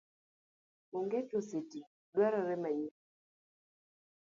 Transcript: Onget oseti dwarore manyien.